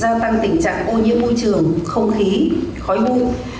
giao tăng tình trạng ô nhiễm môi trường không khí khói bu